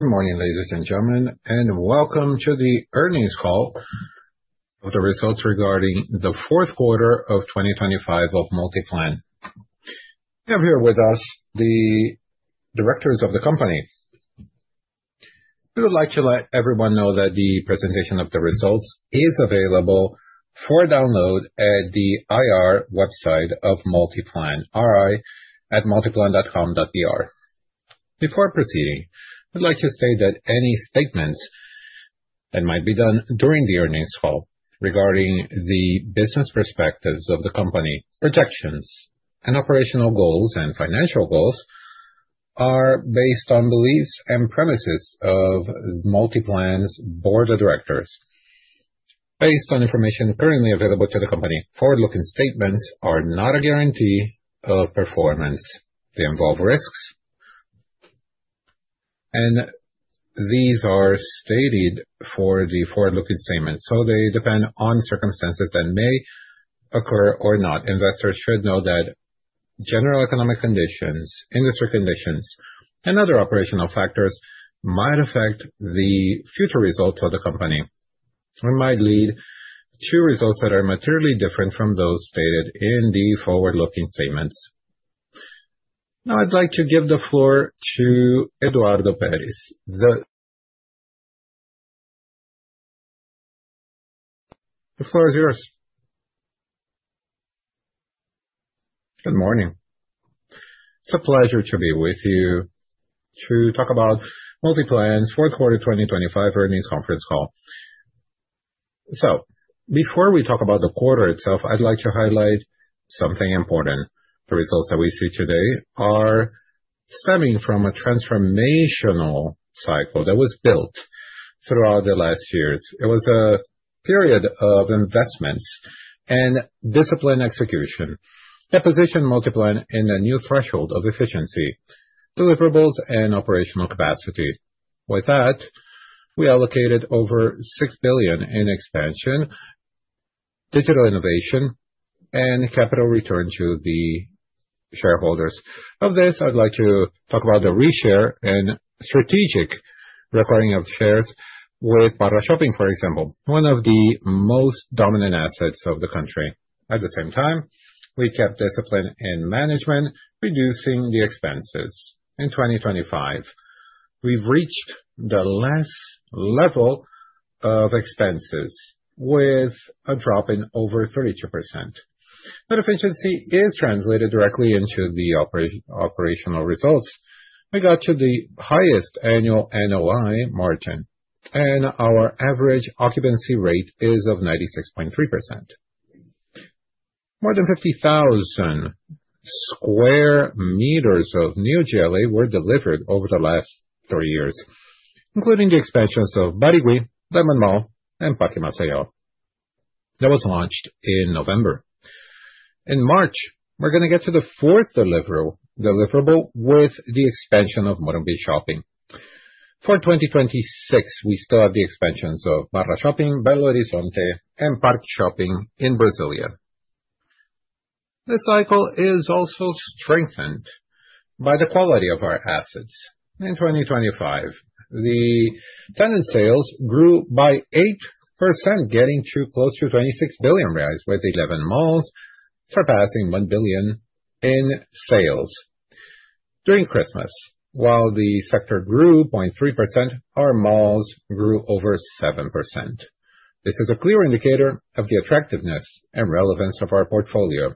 Good morning, ladies and gentlemen, and welcome to the earnings call of the results regarding the Q4 of 2025 of Multiplan. We have here with us the directors of the company. We would like to let everyone know that the presentation of the results is available for download at the IR website of Multiplan, ri@multiplan.com.br. Before proceeding, I'd like to say that any statements that might be done during the earnings call regarding the business perspectives of the company, projections and operational goals and financial goals, are based on beliefs and premises of Multiplan's board of directors. Based on information currently available to the company, forward-looking statements are not a guarantee of performance. They involve risks, and these are stated for the forward-looking statements, so they depend on circumstances that may occur or not. Investors should know that general economic conditions, industry conditions, and other operational factors might affect the future results of the company and might lead to results that are materially different from those stated in the forward-looking statements. Now, I'd like to give the floor to Eduardo Peres. The floor is yours. Good morning. It's a pleasure to be with you to talk about Multiplan's Q4, 2025 earnings conference call. So before we talk about the quarter itself, I'd like to highlight something important. The results that we see today are stemming from a transformational cycle that was built throughout the last years. It was a period of investments and disciplined execution, that positioned Multiplan in a new threshold of efficiency, deliverables, and operational capacity. With that, we allocated over 6 billion in expansion, digital innovation, and capital return to the shareholders. Of this, I'd like to talk about the repurchase and strategic acquiring of shares with BarraShopping, for example, one of the most dominant assets of the country. At the same time, we kept discipline in management, reducing the expenses. In 2025, we've reached the last level of expenses with a drop in over 32%. But efficiency is translated directly into the operational results. We got to the highest annual NOI margin, and our average occupancy rate is of 96.3%. More than 50,000 square meters of new GLA were delivered over the last three years, including the expansions of Barigüi, DiamondMall and Parque Shopping Maceió that was launched in November. In March, we're gonna get to the fourth deliverable with the expansion of MorumbiShopping. For 2026, we still have the expansions of BarraShopping, BH Shopping, and ParkShopping in Brasília. This cycle is also strengthened by the quality of our assets. In 2025, the tenant sales grew by 8%, getting to close to 26 billion reais, with 11 malls surpassing 1 billion in sales. During Christmas, while the sector grew 0.3%, our malls grew over 7%. This is a clear indicator of the attractiveness and relevance of our portfolio.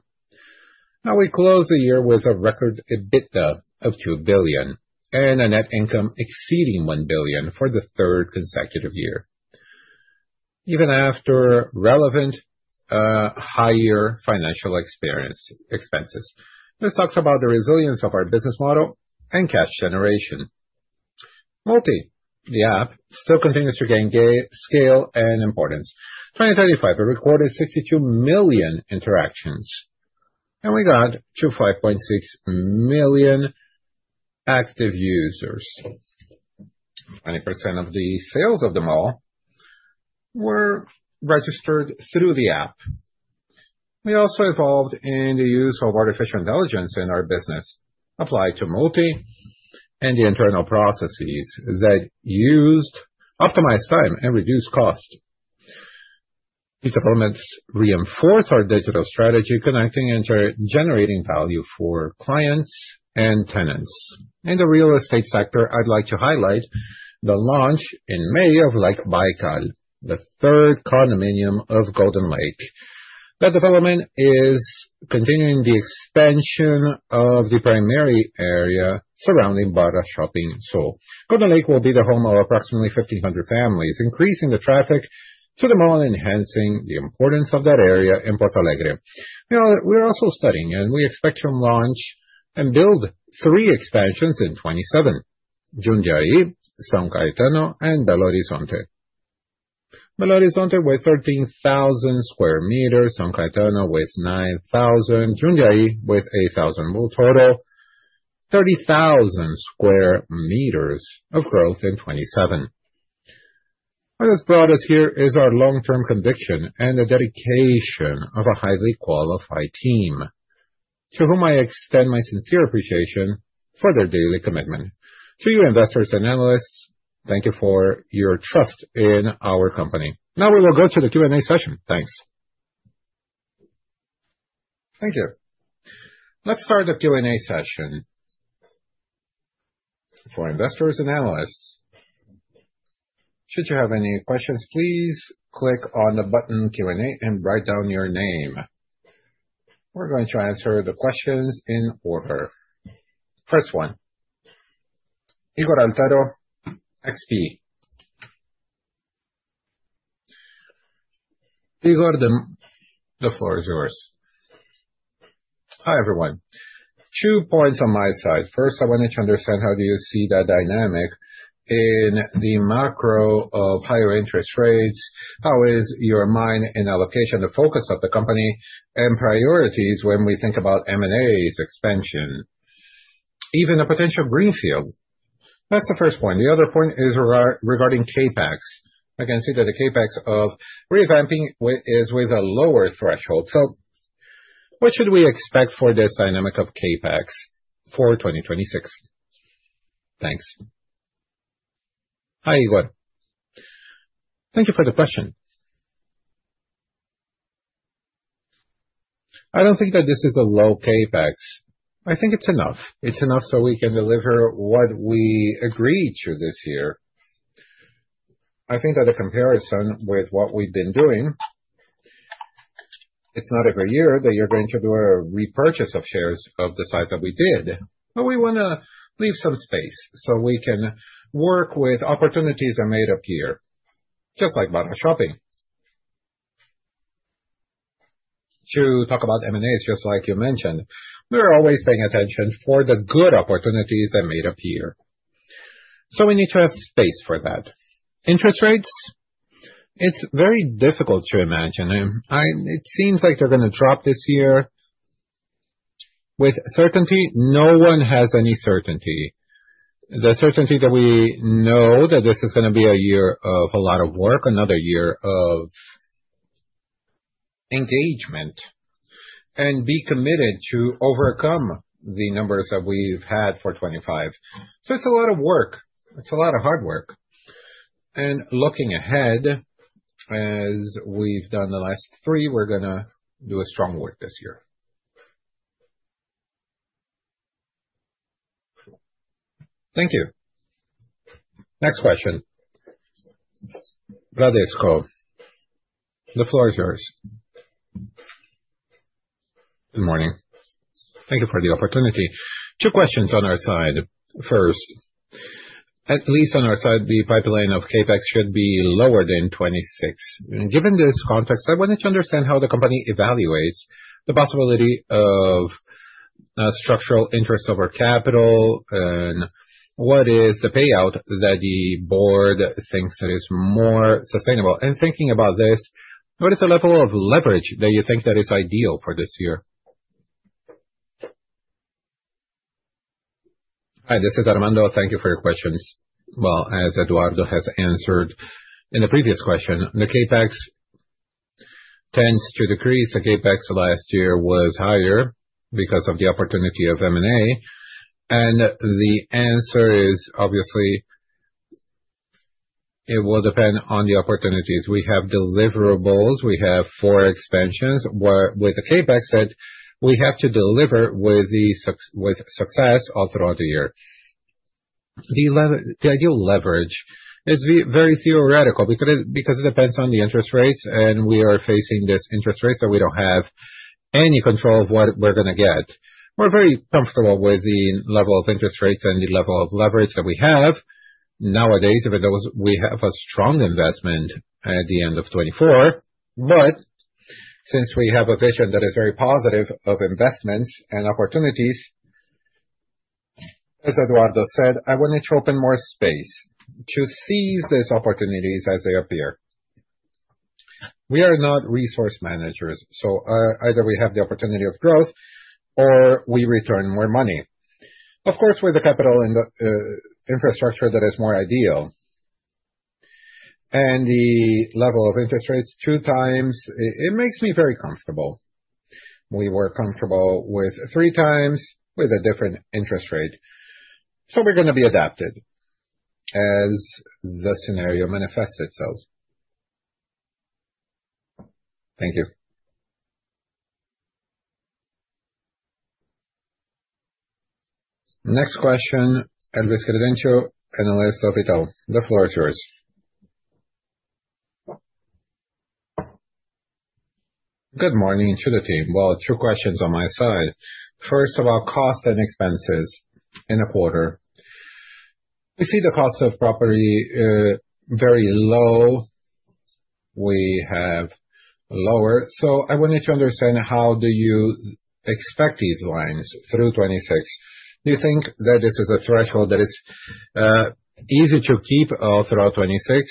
Now, we close the year with a record EBITDA of 2 billion and a net income exceeding 1 billion for the 3rd consecutive year, even after relevant higher financial expenses. This talks about the resilience of our business model and cash generation. Multi, the app, still continues to gain scale and importance. 2025, it recorded 62 million interactions, and we got to 5.6 million active users. 20% of the sales of the mall were registered through the app. We also evolved in the use of artificial intelligence in our business, applied to Multi and the internal processes that used optimized time and reduced cost. These developments reinforce our digital strategy, connecting and generating value for clients and tenants. In the real estate sector, I'd like to highlight the launch in May of Lake Baikal, the third condominium of Golden Lake. That development is continuing the expansion of the primary area surrounding BarraShoppingSul. Golden Lake will be the home of approximately 1,500 families, increasing the traffic to the mall, enhancing the importance of that area in Porto Alegre. Now, we're also studying, and we expect to launch and build three expansions in 2027, Jundiaí, São Caetano, and Belo Horizonte. Belo Horizonte, with 13,000 square meters, São Caetano with 9,000, Jundiaí with 8,000 more. Total, 30,000 square meters of growth in 2027. What has brought us here is our long-term conviction and the dedication of a highly qualified team, to whom I extend my sincere appreciation for their daily commitment. To you, investors and analysts, thank you for your trust in our company. Now, we will go to the Q&A session. Thanks. Thank you. Let's start the Q&A session for investors and analysts. Should you have any questions, please click on the button Q&A and write down your name. We're going to answer the questions in order. First one, Ygor Altero, XP. Igor, the floor is yours. Hi, everyone. Two points on my side. First, I wanted to understand, how do you see the dynamic in the macro of higher interest rates? How is your mind and allocation, the focus of the company, and priorities when we think about M&As expansion, even a potential greenfield? That's the first point. The other point is regarding CapEx. I can see that the CapEx of revamping is with a lower threshold. So what should we expect for this dynamic of CapEx for 2026? Thanks. Hi, Igor. Thank you for the question. I don't think that this is a low CapEx. I think it's enough. It's enough so we can deliver what we agreed to this year. I think that a comparison with what we've been doing, it's not every year that you're going to do a repurchase of shares of the size that we did, but we wanna leave some space so we can work with opportunities that may appear, just like JundiaíShopping. To talk about M&As, just like you mentioned, we're always paying attention for the good opportunities that may appear, so we need to have space for that. Interest rates, it's very difficult to imagine. It seems like they're gonna drop this year. With certainty, no one has any certainty. The certainty that we know, that this is gonna be a year of a lot of work, another year of engagement, and be committed to overcome the numbers that we've had for 2025. So it's a lot of work. It's a lot of hard work. Looking ahead, as we've done the last three, we're gonna do a strong work this year. Thank you. Next question. Vladislav Kov, the floor is yours. Good morning. Thank you for the opportunity. Two questions on our side. First, at least on our side, the pipeline of CapEx should be lower than 26. Given this context, I wanted to understand how the company evaluates the possibility of interest on capital, and what is the payout that the board thinks that is more sustainable? And thinking about this, what is the level of leverage that you think that is ideal for this year? Hi, this is Armando. Thank you for your questions. Well, as Eduardo has answered in the previous question, the CapEx tends to decrease. The CapEx last year was higher because of the opportunity of M&A, and the answer is obviously, it will depend on the opportunities. We have deliverables, we have four expansions, where with the CapEx set, we have to deliver with success all throughout the year. The ideal leverage is very theoretical, because it depends on the interest rates, and we are facing this interest rate, so we don't have any control of what we're gonna get. We're very comfortable with the level of interest rates and the level of leverage that we have. Nowadays, even though we have a strong investment at the end of 2024, but since we have a vision that is very positive of investments and opportunities, as Eduardo said, I wanted to open more space to seize these opportunities as they appear. We are not resource managers, so either we have the opportunity of growth or we return more money. Of course, with the capital and the infrastructure, that is more ideal. And the level of interest rates, 2x, it makes me very comfortable. We were comfortable with 3x with a different interest rate, so we're gonna be adapted as the scenario manifests itself. Thank you. Next question, Elvis Credendio, analyst of Itaú.The floor is yours. Good morning to the team. Well, two questions on my side. First, about cost and expenses in a quarter. We see the cost of property very low. We have lower. So I wanted to understand, how do you expect these lines through 2026? Do you think that this is a threshold that is easy to keep throughout 2026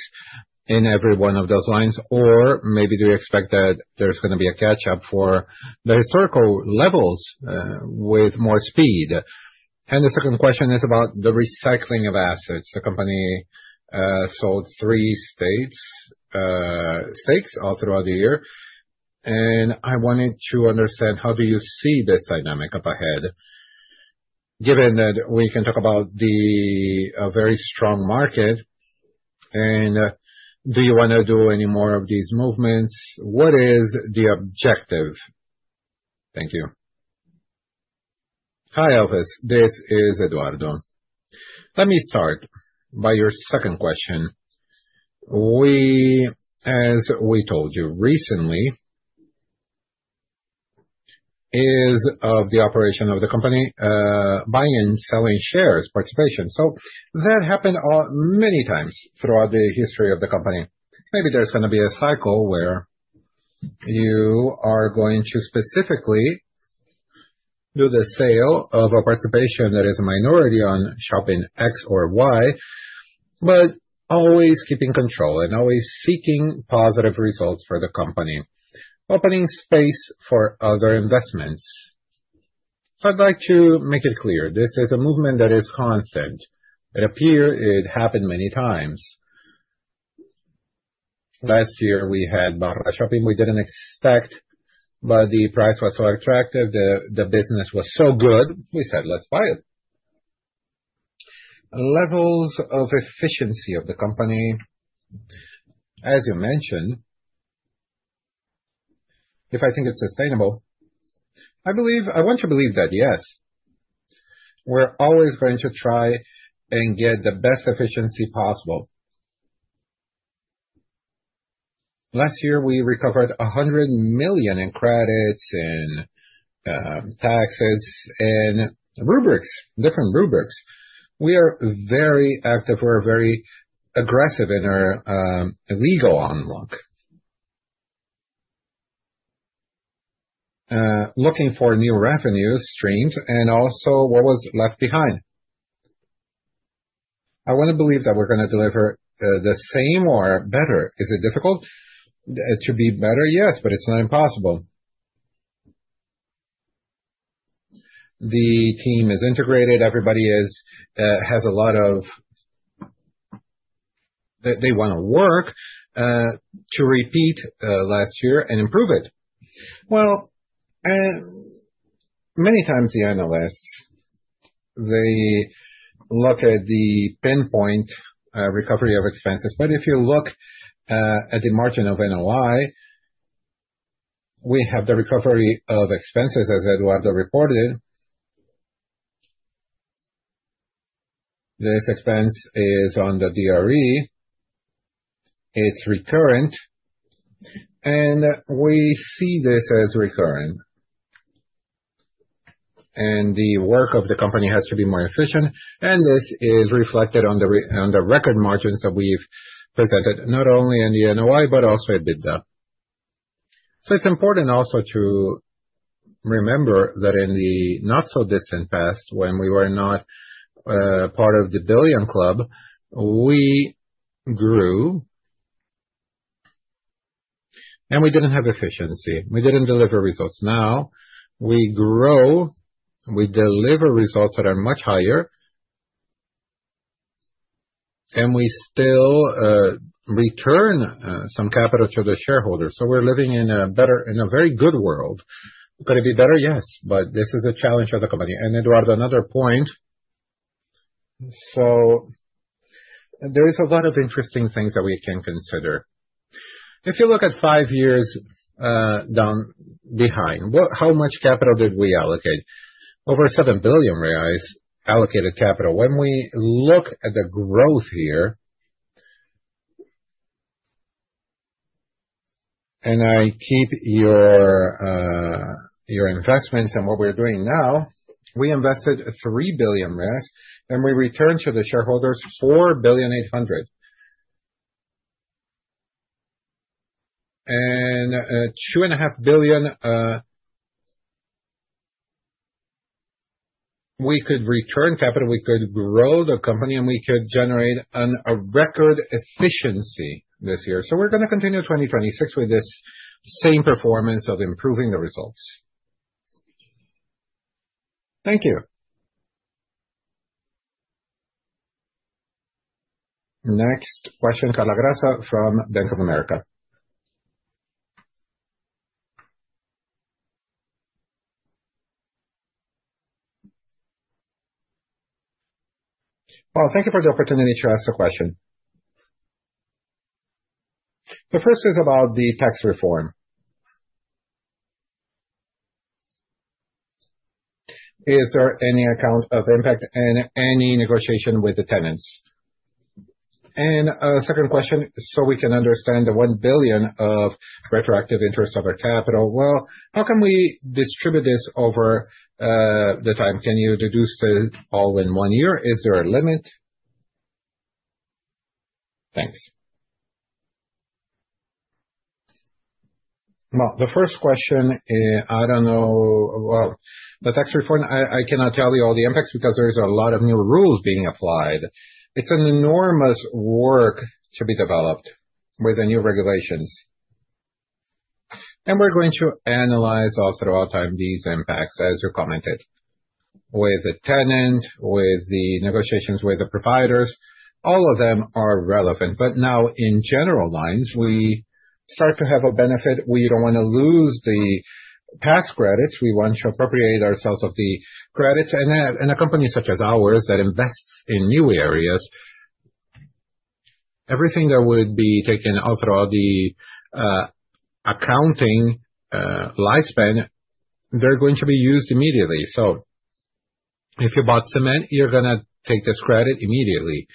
in every one of those lines? Or maybe, do you expect that there's gonna be a catch-up for the historical levels, with more speed? And the second question is about the recycling of assets. The company sold three stakes all throughout the year, and I wanted to understand how do you see this dynamic up ahead, given that we can talk about the very strong market, and do you wanna do any more of these movements? What is the objective? Thank you. Hi, Elvis. This is Eduardo. Let me start by your second question. We, as we told you recently, is of the operation of the company, buying and selling shares, participation. So that happened many times throughout the history of the company. Maybe there's gonna be a cycle where you are going to specifically do the sale of a participation that is a minority on shopping X or Y, but always keeping control and always seeking positive results for the company, opening space for other investments. So I'd like to make it clear, this is a movement that is constant. It appeared, it happened many times. Last year, we had BarraShopping. We didn't expect, but the price was so attractive, the business was so good, we said, "Let's buy it!" Levels of efficiency of the company, as you mentioned, if I think it's sustainable, I believe, I want to believe that, yes, we're always going to try and get the best efficiency possible. Last year, we recovered 100 million in credits and taxes and rubrics, different rubrics. We are very active. We're very aggressive in our legal unlock, looking for new revenue streams and also what was left behind. I wanna believe that we're gonna deliver the same or better. Is it difficult to be better? Yes, but it's not impossible. The team is integrated. Everybody has a lot of... They wanna work to repeat last year and improve it. Well, many times the analysts look at the pinpoint recovery of expenses, but if you look at the margin of NOI, we have the recovery of expenses, as Eduardo reported. This expense is on the DRE. It's recurrent, and we see this as recurring. The work of the company has to be more efficient, and this is reflected on the on the record margins that we've presented, not only in the NOI, but also EBITDA. So it's important also to remember that in the not-so-distant past, when we were not part of the billion club, we grew and we didn't have efficiency, we didn't deliver results. Now, we grow, we deliver results that are much higher, and we still return some capital to the shareholders. So we're living in a better, in a very good world. Could it be better? Yes, but this is a challenge for the company. And, Eduardo, another point. So there is a lot of interesting things that we can consider. If you look at five years down behind, how much capital did we allocate? Over 7 billion reais allocated capital. When we look at the growth here, and I keep your, your investments and what we're doing now, we invested 3 billion, and we returned to the shareholders 4.8 billion. And, two and a half billion, we could return capital, we could grow the company, and we could generate a record efficiency this year. So we're gonna continue 2026 with this same performance of improving the results. Thank you. Next question, Carla Graca from Bank of America. Well, thank you for the opportunity to ask the question. The first is about the tax reform. Is there any account of impact and any negotiation with the tenants? And, second question, so we can understand the 1 billion of retroactive interest of our capital. Well, how can we distribute this over, the time? Can you deduce it all in one year? Is there a limit? Thanks. Well, the first question, I don't know. Well, the tax reform, I cannot tell you all the impacts because there is a lot of new rules being applied. It's an enormous work to be developed with the new regulations... And we're going to analyze all throughout time these impacts, as you commented, with the tenant, with the negotiations with the providers, all of them are relevant. But now in general lines, we start to have a benefit. We don't wanna lose the past credits, we want to appropriate ourselves of the credits. And, and a company such as ours that invests in new areas, everything that would be taken out through all the, accounting, lifespan, they're going to be used immediately. So if you bought cement, you're gonna take this credit immediately.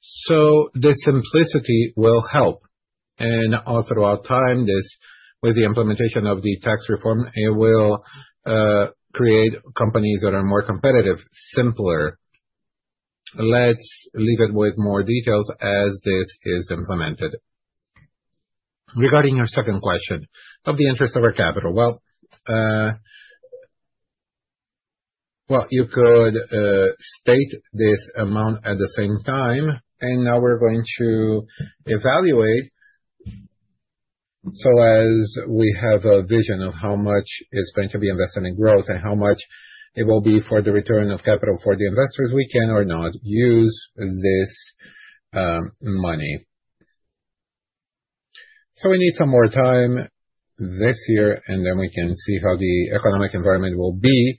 So the simplicity will help, and all throughout time, this, with the implementation of the tax reform, it will create companies that are more competitive, simpler. Let's leave it with more details as this is implemented. Regarding your second question of the interest of our capital. Well, well, you could state this amount at the same time, and now we're going to evaluate, so as we have a vision of how much is going to be invested in growth and how much it will be for the return of capital for the investors, we can or not use this money. So we need some more time this year, and then we can see how the economic environment will be,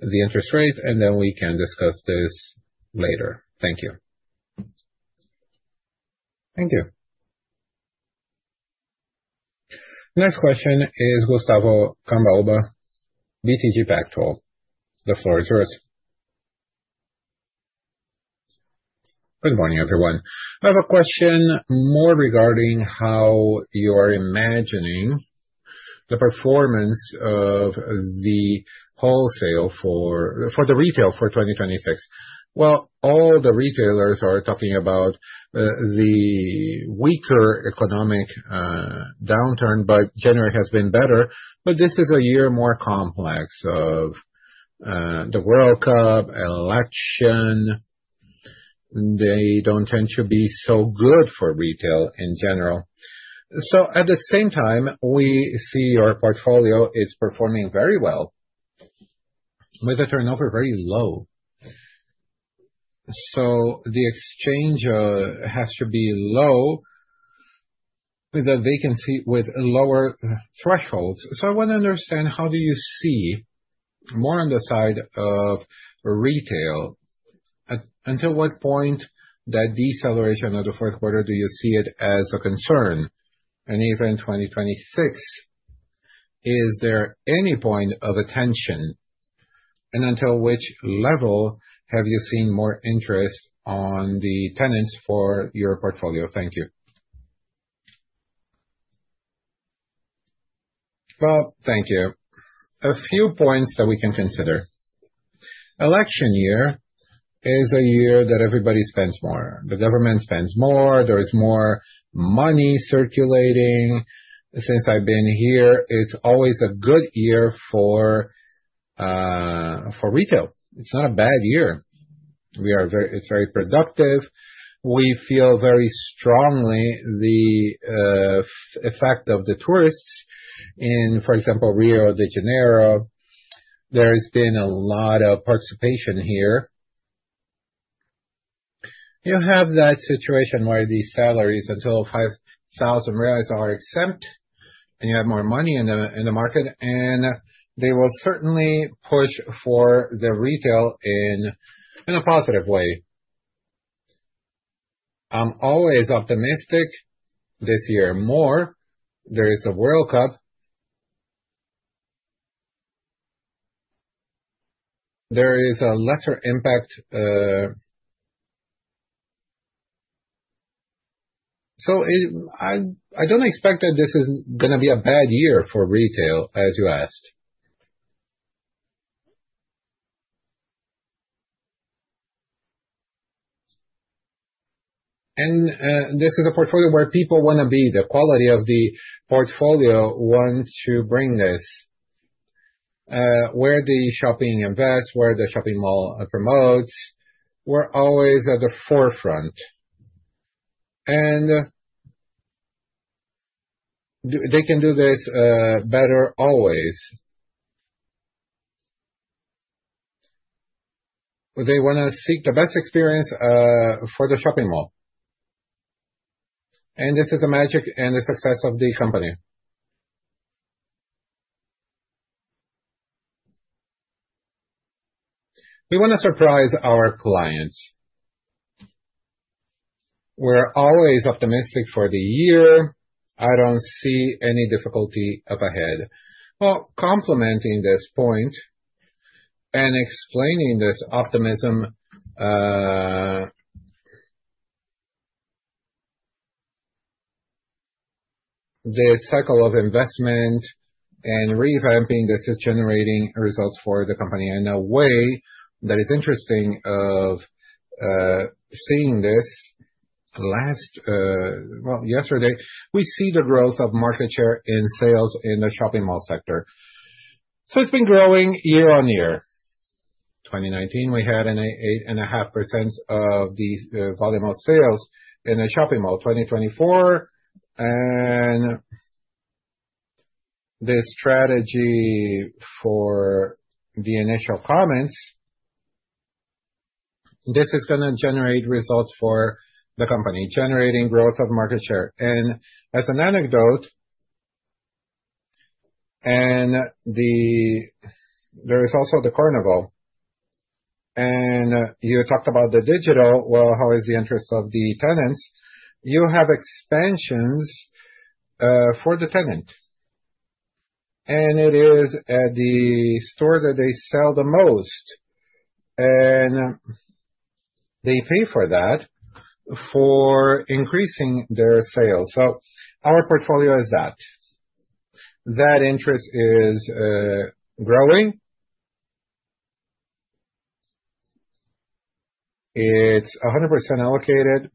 the interest rates, and then we can discuss this later. Thank you. Thank you. Next question is Gustavo Cambauva, BTG Pactual. The floor is yours. Good morning, everyone. I have a question more regarding how you are imagining the performance of the wholesale for, for the retail for 2026. Well, all the retailers are talking about, the weaker economic downturn, but January has been better. But this is a year more complex of, the World Cup, election. They don't tend to be so good for retail in general. So at the same time, we see your portfolio is performing very well, with the turnover very low. So the exchange, has to be low, with a vacancy, with lower thresholds. So I want to understand, how do you see more on the side of retail? Until what point that deceleration of the Q4, do you see it as a concern? Even 2026, is there any point of attention, and until which level have you seen more interest on the tenants for your portfolio? Thank you. Well, thank you. A few points that we can consider. Election year is a year that everybody spends more. The government spends more. There is more money circulating. Since I've been here, it's always a good year for, for retail. It's not a bad year. We are very. It's very productive. We feel very strongly the effect of the tourists. In, for example, Rio de Janeiro, there's been a lot of participation here. You have that situation where these salaries until 5,000 reais are exempt, and you have more money in the, in the market, and they will certainly push for the retail in, in a positive way. I'm always optimistic this year, more, there is a World Cup. There is a lesser impact. So I don't expect that this is gonna be a bad year for retail, as you asked. And this is a portfolio where people wanna be. The quality of the portfolio wants to bring this. Where the shopping invests, where the shopping mall promotes, we're always at the forefront. And they can do this better, always. They wanna seek the best experience for the shopping mall. And this is the magic and the success of the company. We wanna surprise our clients. We're always optimistic for the year. I don't see any difficulty up ahead. Well, complementing this point and explaining this optimism, the cycle of investment and revamping this is generating results for the company in a way that is interesting of seeing this last, well, yesterday, we see the growth of market share in sales in the shopping mall sector. So it's been growing year on year. 2019, we had an 8.5% of the volume of sales in a shopping mall. 2024, and the strategy for the initial comments, this is gonna generate results for the company, generating growth of market share. And as an anecdote, and the there is also the carnival, and you talked about the digital. Well, how is the interest of the tenants? You have expansions for the tenant, and it is at the store that they sell the most, and they pay for that for increasing their sales. So our portfolio is that. That interest is growing. It's 100% allocated.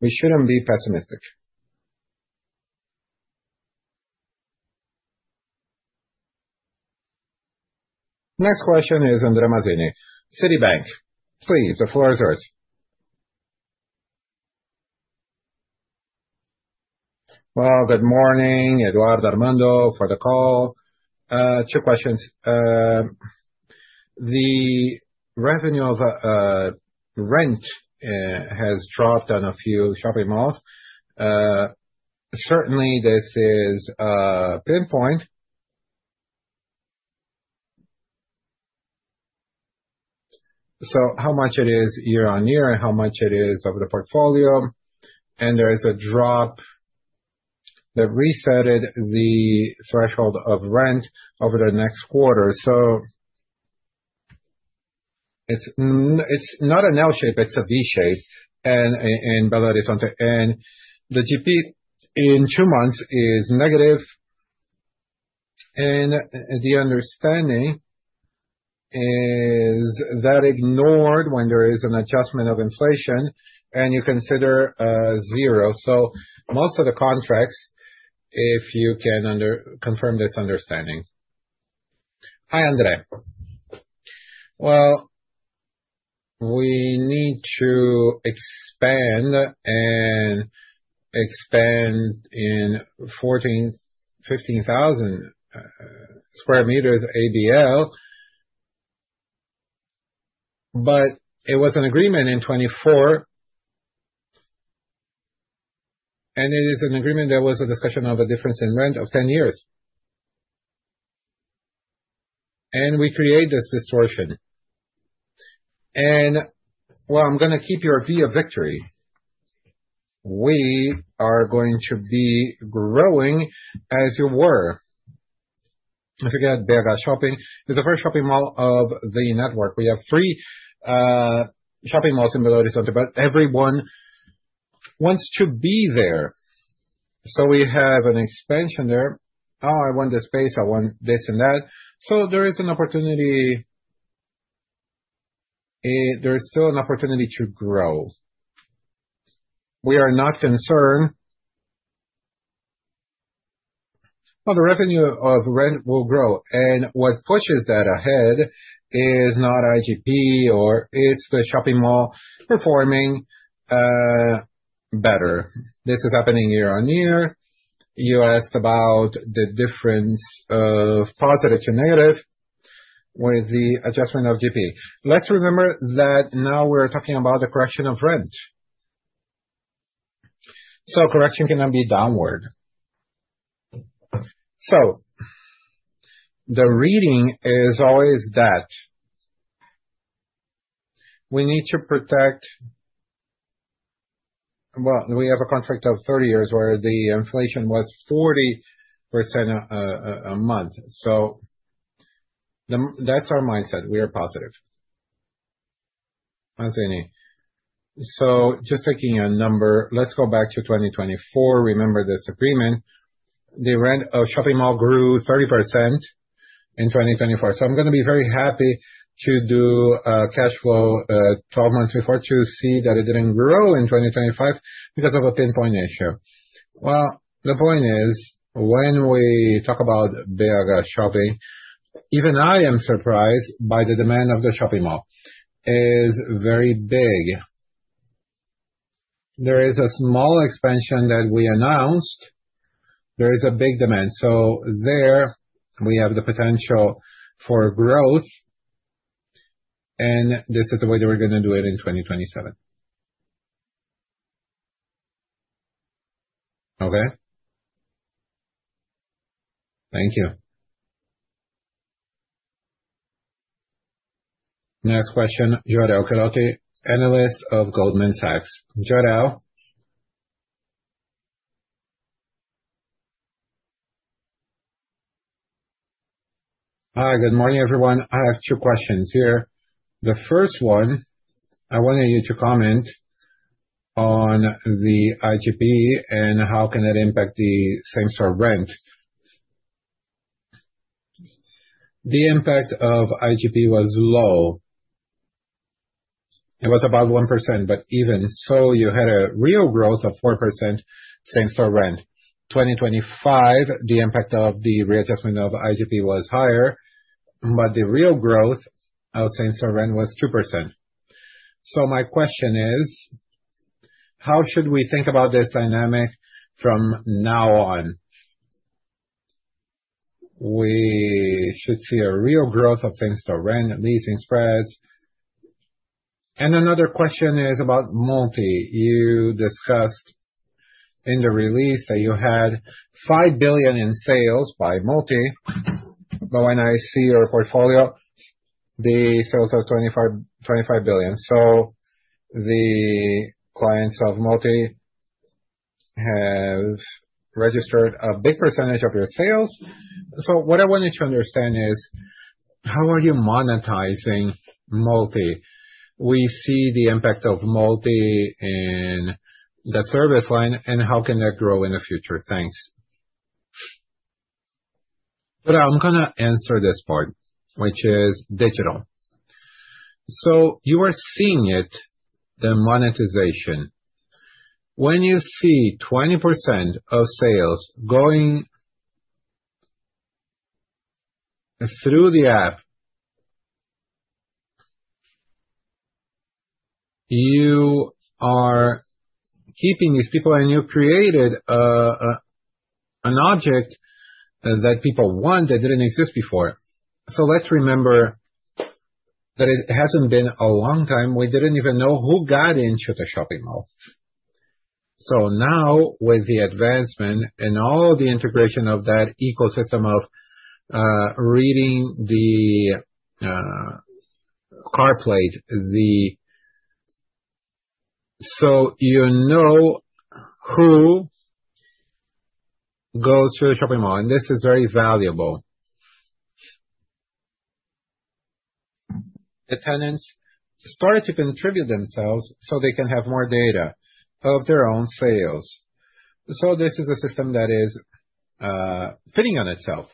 We shouldn't be pessimistic. Next question is Andre Mazini, Citibank. Please, the floor is yours. Well, good morning, Eduardo, Armando, for the call. Two questions. The revenue of rent has dropped on a few shopping malls. Certainly, this is pinpoint. So how much it is year-on-year, and how much it is of the portfolio? And there is a drop that reset the threshold of rent over the next quarter. So it's not an L shape, it's a V shape, and in Belo Horizonte, and the IGP in two months is negative, and the understanding is that ignored when there is an adjustment of inflation, and you consider zero. So most of the contracts, if you can confirm this understanding. Hi, Andre. Well, we need to expand and expand in 14-15 thousand square meters ABL, but it was an agreement in 2024, and it is an agreement that was a discussion of a difference in rent of 10 years. And we create this distortion. And well, I'm gonna keep your V a victory. We are going to be growing, as you were. If you got in BarraShopping, it's the first shopping mall of the network. We have 3 shopping malls in Belo Horizonte, but everyone wants to be there. So we have an expansion there. Oh, I want the space, I want this and that. So there is an opportunity, there is still an opportunity to grow. We are not concerned... Well, the revenue of rent will grow, and what pushes that ahead is not IGP or it's the shopping mall performing better. This is happening year-over-year. You asked about the difference of positive to negative with the adjustment of IGP. Let's remember that now we're talking about the correction of rent. So correction cannot be downward. So the reading is always that. We need to protect... Well, we have a contract of 30 years where the inflation was 40%, a month. So that's our mindset, we are positive. Mazini. So just taking a number, let's go back to 2024. Remember this agreement, the rent of shopping mall grew 30% in 2024. So I'm gonna be very happy to do cash flow 12 months before to see that it didn't grow in 2025 because of a pinpoint issue. Well, the point is, when we talk about BarraShopping, even I am surprised by the demand of the shopping mall. It is very big. There is a small expansion that we announced. There is a big demand. So there we have the potential for growth, and this is the way that we're gonna do it in 2027. Okay? Thank you. Next question, Jorel Guilloty, analyst of Goldman Sachs. Jorel? Hi, good morning, everyone. I have two questions here. The first one, I wanted you to comment on the IGP and how can it impact the same-store rent? The impact of IGP was low.... It was about 1%, but even so, you had a real growth of 4% same-store rent. 2025, the impact of the readjustment of IGP was higher, but the real growth of same-store rent was 2%. So my question is, how should we think about this dynamic from now on? We should see a real growth of same-store rent, leasing spreads. And another question is about Multi. You discussed in the release that you had 5 billion in sales by Multi, but when I see your portfolio, the sales are 25 billion. So the clients of Multi have registered a big percentage of your sales. So what I wanted to understand is, how are you monetizing Multi? We see the impact of Multi in the service line, and how can that grow in the future? Thanks. But I'm gonna answer this part, which is digital. So you are seeing it, the monetization. When you see 20% of sales going through the app, you are keeping these people, and you created an object that people want that didn't exist before. So let's remember that it hasn't been a long time. We didn't even know who got into the shopping mall. So now with the advancement and all of the integration of that ecosystem of reading the car plate, so you know who goes through the shopping mall, and this is very valuable. The tenants started to contribute themselves so they can have more data of their own sales. So this is a system that is feeding on itself.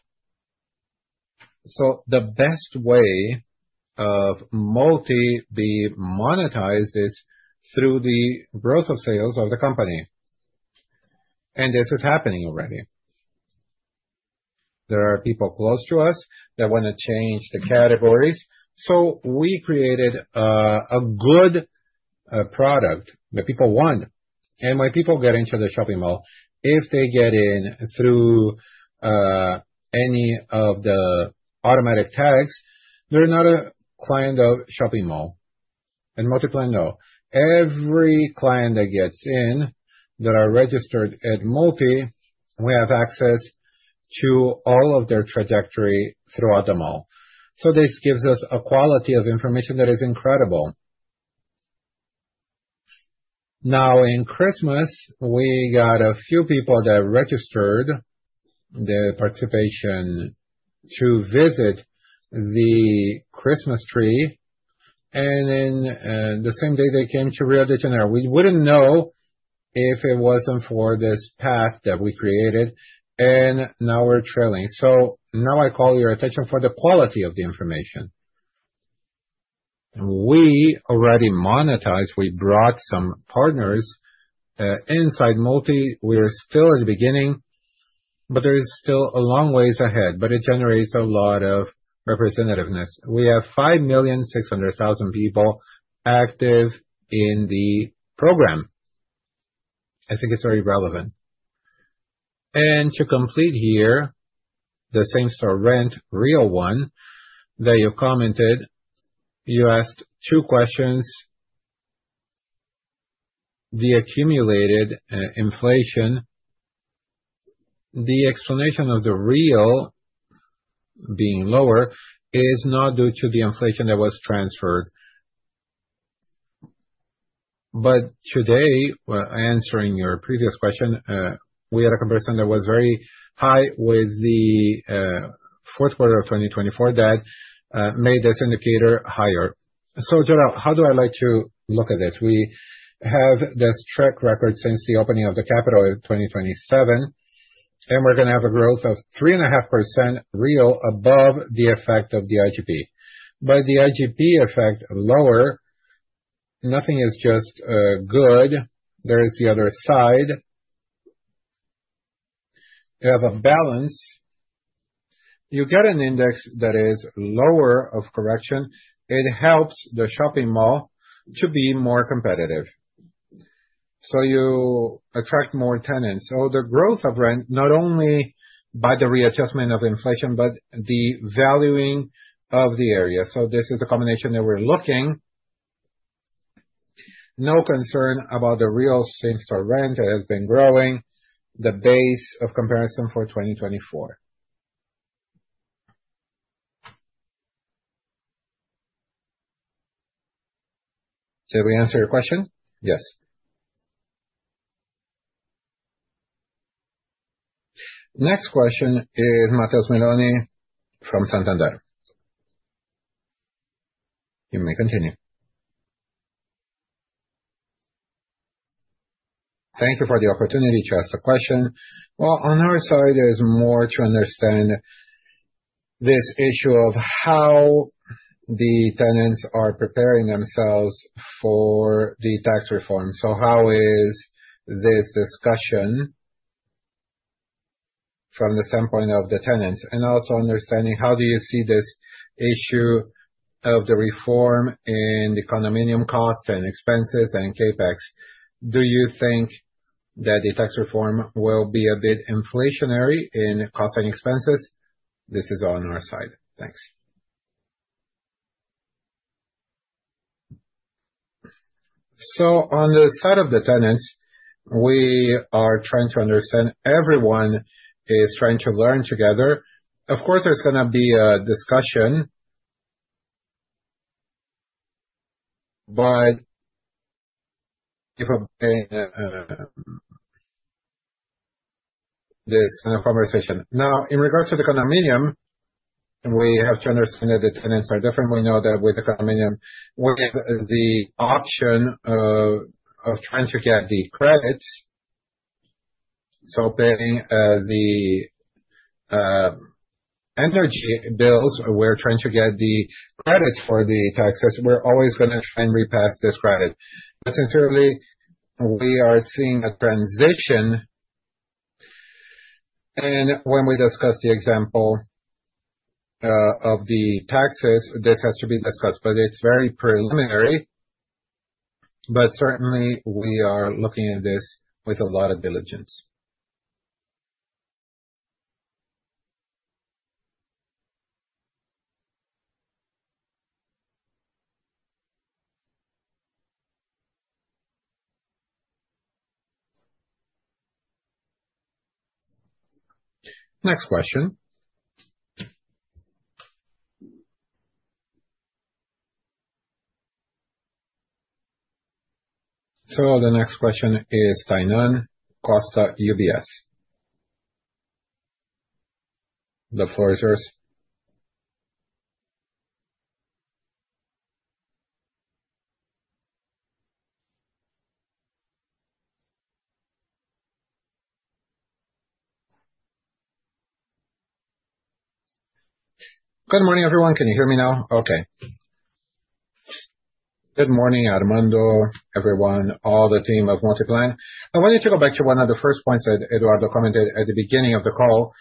So the best way of Multi be monetized is through the growth of sales of the company, and this is happening already. There are people close to us that wanna change the categories. So we created a good product that people want. And when people get into the shopping mall, if they get in through any of the automatic tags, they're not a client of shopping mall and Multiplan, no. Every client that gets in, that are registered at Multi, we have access to all of their trajectory throughout the mall. So this gives us a quality of information that is incredible. Now, in Christmas, we got a few people that registered their participation to visit the Christmas tree, and then the same day they came to Rio de Janeiro. We wouldn't know if it wasn't for this path that we created, and now we're trailing. So now I call your attention for the quality of the information. We already monetized. We brought some partners inside Multi. We are still at the beginning, but there is still a long ways ahead, but it generates a lot of representativeness. We have 5.6 million people active in the program. I think it's very relevant. And to complete here, the same store rent, real one, that you commented, you asked two questions. The accumulated inflation... The explanation of the real being lower is not due to the inflation that was transferred. But today, well, answering your previous question, we had a comparison that was very high with the Q4 of 2024, that made this indicator higher. So Jorel, how do I like to look at this? We have this track record since the opening of the capital in 2027, and we're gonna have a growth of 3.5% real above the effect of the IGP. By the IGP effect, lower, nothing is just good. There is the other side. You have a balance. You get an index that is lower of correction; it helps the shopping mall to be more competitive, so you attract more tenants. So the growth of rent, not only by the readjustment of inflation, but the valuing of the area. So this is a combination that we're looking. No concern about the real same-store rent. It has been growing the base of comparison for 2024. Did we answer your question? Yes. Next question is Matheus Meloni from Santander. You may continue. Thank you for the opportunity to ask the question. Well, on our side, there's more to understand this issue of how the tenants are preparing themselves for the tax reform. So how is this discussion from the standpoint of the tenants, and also understanding how do you see this issue of the reform in the condominium cost and expenses and CapEx? Do you think that the tax reform will be a bit inflationary in cost and expenses? This is on our side. Thanks. So on the side of the tenants, we are trying to understand, everyone is trying to learn together. Of course, there's gonna be a discussion, but if this conversation. Now, in regards to the condominium, we have to understand that the tenants are different. We know that with the condominium, we have the option of trying to get the credits. So paying the energy bills, we're trying to get the credits for the taxes. We're always gonna try and repass this credit. But certainly, we are seeing a transition, and when we discuss the example of the taxes, this has to be discussed, but it's very preliminary. But certainly, we are looking at this with a lot of diligence. Next question. So the next question is Tainan Costa, UBS. The floor is yours. Good morning, everyone. Can you hear me now? Okay. Good morning, Armando, everyone, all the team of Multiplan. I wanted to go back to one of the first points that Eduardo commented at the beginning of the call,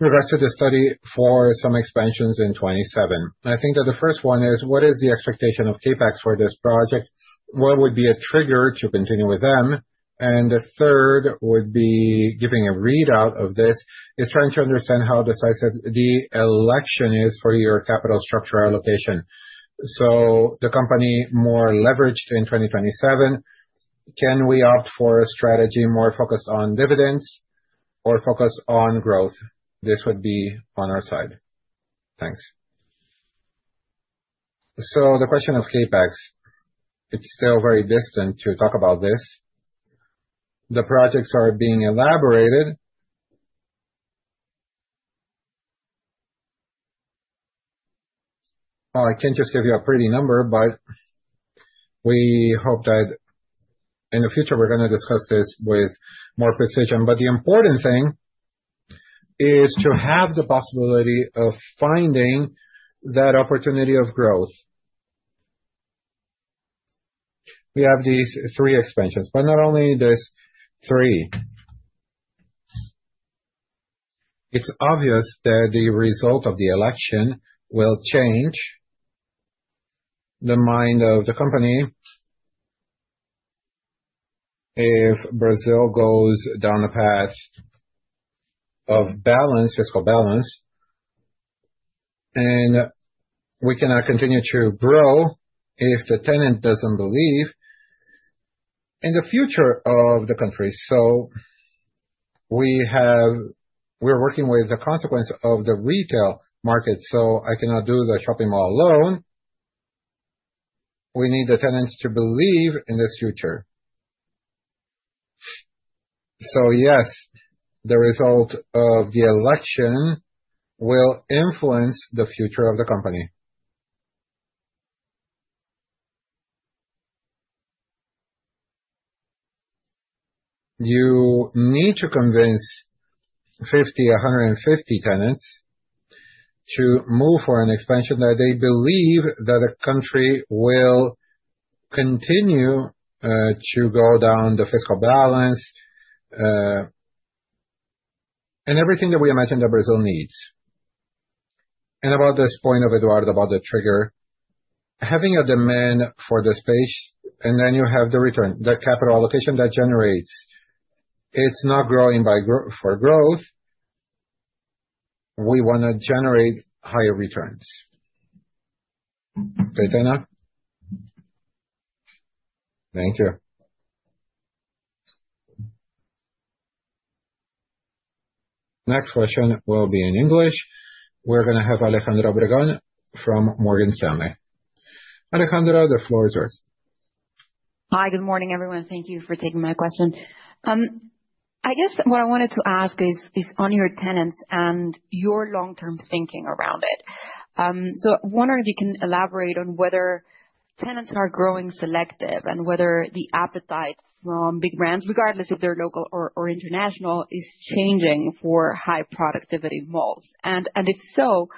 regards to the study for some expansions in 27. I think that the first one is: What is the expectation of CapEx for this project? What would be a trigger to continue with them? And the third would be giving a readout of this, is trying to understand how decisive the election is for your capital structural location. So the company more leveraged in 2027, can we opt for a strategy more focused on dividends or focused on growth? This would be on our side. Thanks. So the question of CapEx, it's still very distant to talk about this. The projects are being elaborated. I can't just give you a pretty number, but we hope that in the future, we're gonna discuss this with more precision. But the important thing is to have the possibility of finding that opportunity of growth. We have these three expansions, but not only these three. It's obvious that the result of the election will change the mind of the company. If Brazil goes down a path of balance, fiscal balance, and we cannot continue to grow if the tenant doesn't believe in the future of the country. So we have, we're working with the consequence of the retail market, so I cannot do the shopping mall alone. We need the tenants to believe in this future. So yes, the result of the election will influence the future of the company. You need to convince 50, 150 tenants to move for an expansion, that they believe that the country will continue to go down the fiscal balance, and everything that we imagine that Brazil needs. And about this point of Eduardo, about the trigger, having a demand for the space, and then you have the return, the capital allocation that generates. It's not growing for growth. We wanna generate higher returns. Okay, Tainan? Thank you. Next question will be in English. We're gonna have Alejandra Obregón from Morgan Stanley. Alejandra, the floor is yours. Hi, good morning, everyone. Thank you for taking my question. I guess what I wanted to ask is on your tenants and your long-term thinking around it. So I wonder if you can elaborate on whether tenants are growing selective and whether the appetite from big brands, regardless if they're local or international, is changing for high productivity malls. And if so,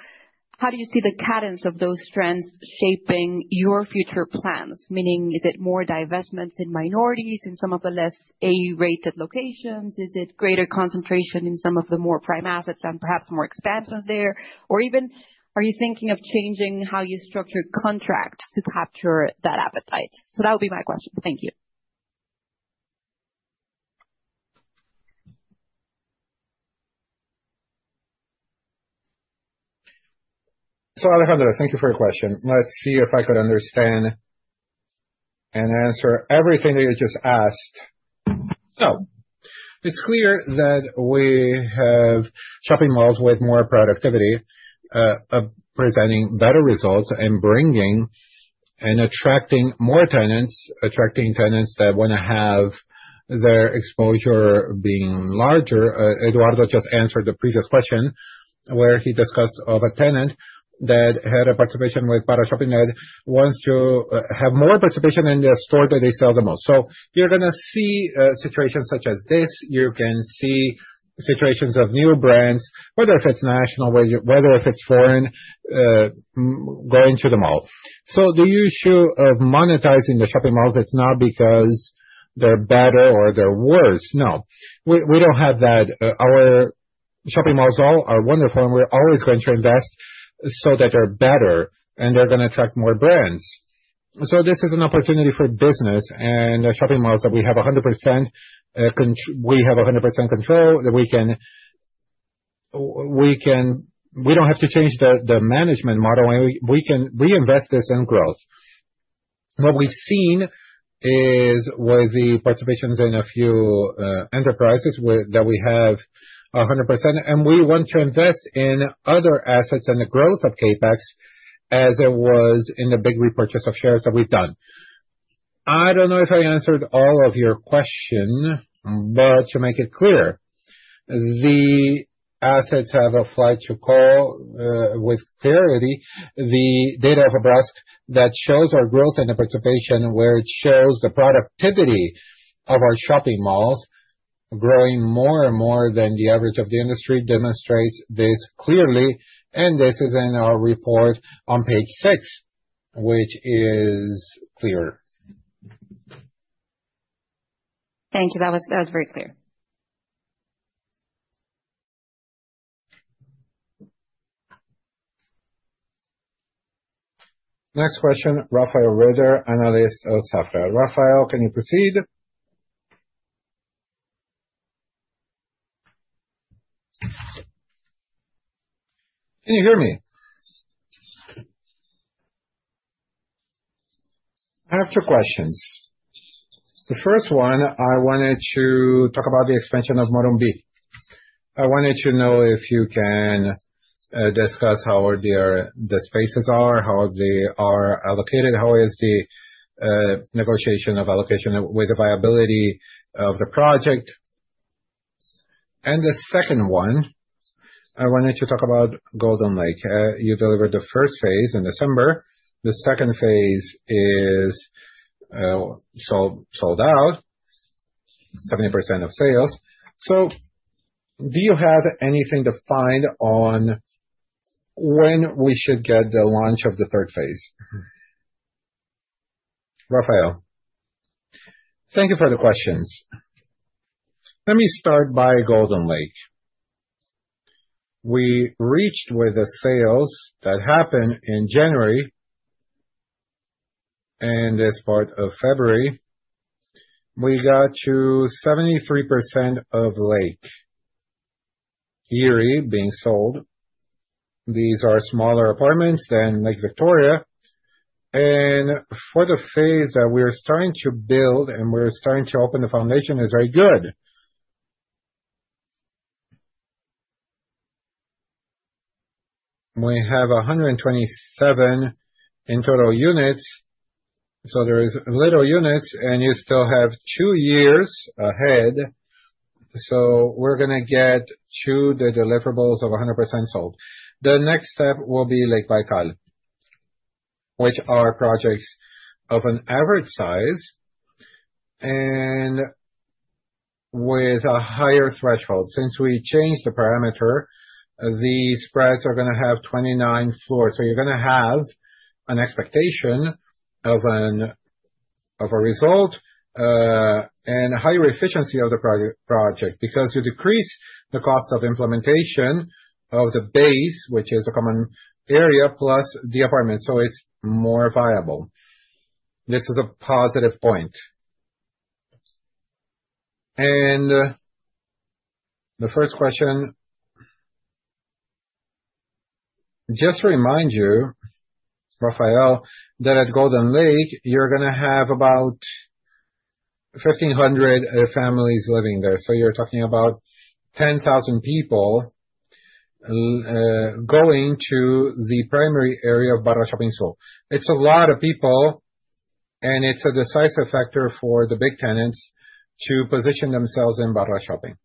how do you see the cadence of those trends shaping your future plans? Meaning, is it more divestments in minorities in some of the less A-rated locations? Is it greater concentration in some of the more prime assets and perhaps more expansions there? Or even, are you thinking of changing how you structure contracts to capture that appetite? So that would be my question. Thank you. So, Alejandra, thank you for your question. Let's see if I could understand and answer everything that you just asked. So it's clear that we have shopping malls with more productivity, presenting better results and bringing and attracting more tenants, attracting tenants that wanna have their exposure being larger. Eduardo just answered the previous question, where he discussed of a tenant that had a participation with BarraShopping and wants to have more participation in the store that they sell the most. So you're gonna see situations such as this. You can see situations of new brands, whether if it's national, whether if it's foreign, going to the mall. So the issue of monetizing the shopping malls, it's not because they're better or they're worse. No. We don't have that. Our shopping malls all are wonderful, and we're always going to invest so that they're better, and they're gonna attract more brands. So this is an opportunity for business and the shopping malls that we have 100% control, that we can we don't have to change the, the management model, and we, we can reinvest this in growth. What we've seen is, with the participations in a few enterprises that we have 100%, and we want to invest in other assets and the growth of CapEx, as it was in the big repurchase of shares that we've done. I don't know if I answered all of your question, but to make it clear, the assets have a right to call with clarity. The data of Abrasce that shows our growth and the participation, where it shows the productivity of our shopping malls growing more and more than the average of the industry, demonstrates this clearly, and this is in our report on page six, which is clear. Thank you. That was, that was very clear. Next question, Rafael Rehder, analyst of Safra. Rafael, can you proceed? Can you hear me? I have two questions. The first one, I wanted to talk about the expansion of Morumbi. I wanted to know if you can, discuss how the spaces are, how they are allocated, how is the negotiation of allocation with the viability of the project? And the second one, I wanted to talk about Golden Lake. You delivered the first phase in December. The second phase is, sold, sold out, 70% of sales. So do you have anything to find on when we should get the launch of the third phase? Rafael, thank you for the questions. Let me start by Golden Lake. We reached with the sales that happened in January and this part of February, we got to 73% of Lake Erie being sold. These are smaller apartments than Lake Victoria, and for the phase that we are starting to build and we're starting to open, the foundation is very good. We have 127 in total units, so there is little units, and you still have two years ahead, so we're gonna get to the deliverables of 100% sold. The next step will be Lake Michigan, which are projects of an average size and with a higher threshold. Since we changed the parameter, the spreads are gonna have 29 floors. So you're gonna have an expectation of an, of a result, and higher efficiency of the project, because you decrease the cost of implementation of the base, which is a common area, plus the apartment, so it's more viable. This is a positive point. The first question, just to remind you, Rafael, that at Golden Lake, you're gonna have about 1,500 families living there. So you're talking about 10,000 people going to the primary area of BarraShoppingSul. It's a lot of people. And it's a decisive factor for the big tenants to position themselves in BarraShopping.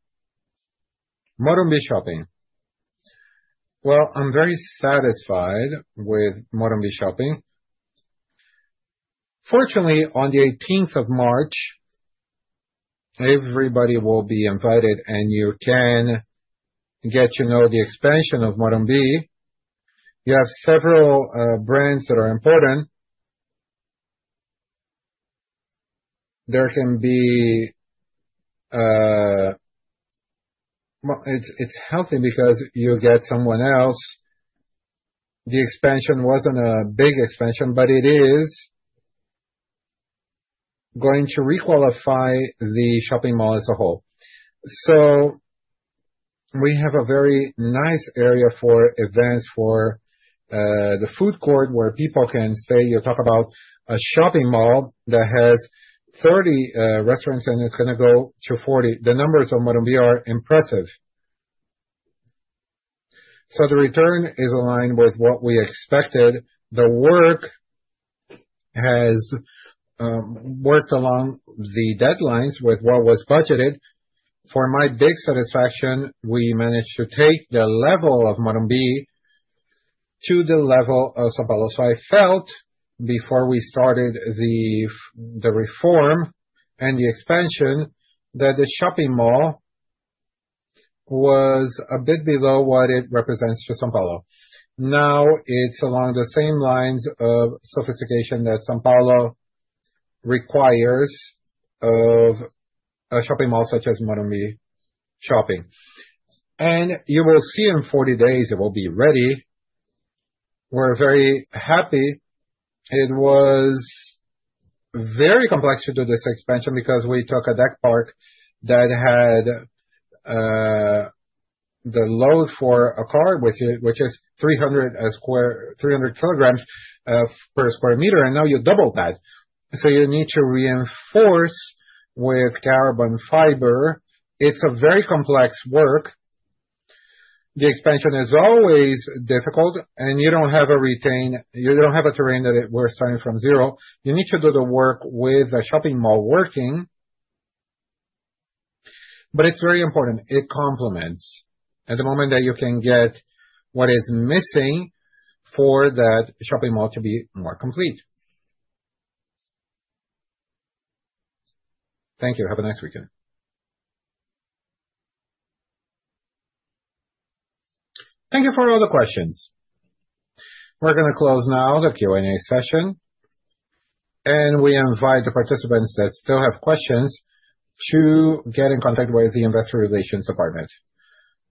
MorumbiShopping. Well, I'm very satisfied with MorumbiShopping. Fortunately, on the 18th of March, everybody will be invited, and you can get to know the expansion of Morumbi. You have several brands that are important. There can be. Well, it's healthy because you get someone else. The expansion wasn't a big expansion, but it is going to requalify the shopping mall as a whole. So we have a very nice area for events, for the food court, where people can stay. You talk about a shopping mall that has 30 restaurants, and it's gonna go to 40. The numbers of Morumbi are impressive. So the return is aligned with what we expected. The work has worked along the deadlines with what was budgeted. For my big satisfaction, we managed to take the level of Morumbi to the level of São Paulo. So I felt before we started the reform and the expansion, that the shopping mall was a bit below what it represents to São Paulo. Now, it's along the same lines of sophistication that São Paulo requires of a shopping mall such as Morumbi Shopping. And you will see in 40 days, it will be ready. We're very happy. It was very complex to do this expansion because we took a deck park that had the load for a car, which is 300 kilograms per square meter, and now you double that. So you need to reinforce with carbon fiber. It's a very complex work. The expansion is always difficult, and you don't have a terrain that we're starting from zero. You need to do the work with a shopping mall working. But it's very important. It complements at the moment that you can get what is missing for that shopping mall to be more complete. Thank you. Have a nice weekend. Thank you for all the questions. We're gonna close now the Q&A session, and we invite the participants that still have questions to get in contact with the investor relations department.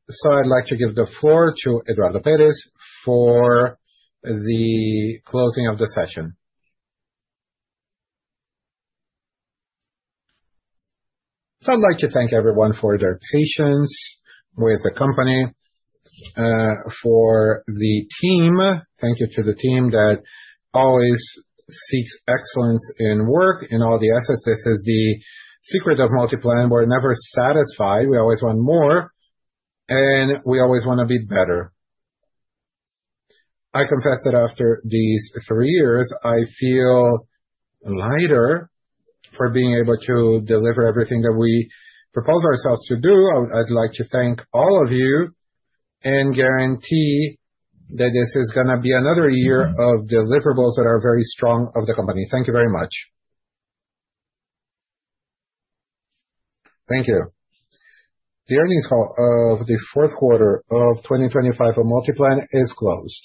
So I'd like to give the floor to Pedro Lopes for the closing of the session. So I'd like to thank everyone for their patience with the company, for the team. Thank you to the team that always seeks excellence in work, in all the assets. This is the secret of Multiplan. We're never satisfied. We always want more, and we always want to be better. I confess that after these three years, I feel lighter for being able to deliver everything that we proposed ourselves to do. I'd like to thank all of you and guarantee that this is gonna be another year of deliverables that are very strong of the company. Thank you very much. Thank you. The earnings call of the Q4 of 2025 for Multiplan is closed.